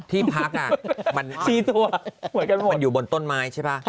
ที่พักอ่ะมันอยู่บนต้นไม้ใช่ปะ